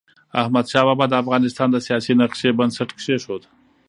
احمدشاه بابا د افغانستان د سیاسی نقشې بنسټ کيښود.